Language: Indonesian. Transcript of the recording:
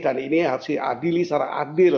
dan ini harus diadili secara adil